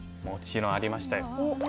もちろんありましたよ。